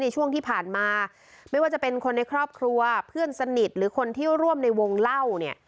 ช่วงที่ผ่านมาไม่ว่าจะเป็นคนในครอบครัวเพื่อนสนิทหรือคนที่ร่วมในวงเล่าเนี่ย